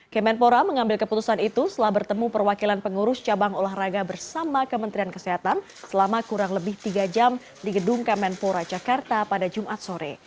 kemenpora mengambil keputusan itu setelah bertemu perwakilan pengurus cabang olahraga bersama kementerian kesehatan selama kurang lebih tiga jam di gedung kemenpora jakarta pada jumat sore